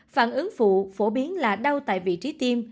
phản ứng phụ phổ biến là đau tại vị trí tiêm